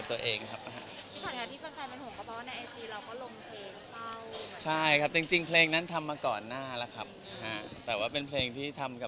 เพราะฉะนั้นเราก็ลดความเห็นกันตัว